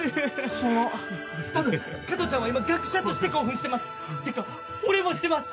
キモたぶん加トちゃんは今学者として興奮してますてか俺もしてます！